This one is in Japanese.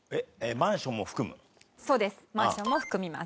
マンションも含みます。